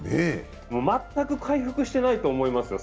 全く回復してないと思いますよ。